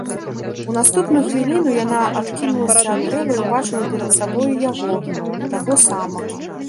У наступную хвіліну яна адкінулася ад дрэва і ўбачыла перад сабою яго, таго самага.